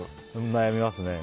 悩みますね。